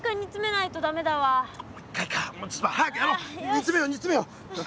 煮詰めよう煮詰めよう！